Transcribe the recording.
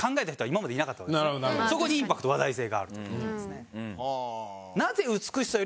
そこにインパクト話題性があるという事ですね。